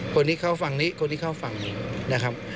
คนนี้เข้าฝั่งนี้คนที่เข้าฝั่งนี้นะครับ